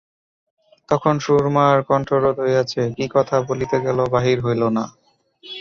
তখন সুরমার কণ্ঠরোধ হইয়াছে, কী কথা বলিতে গেল, বাহির হইল না।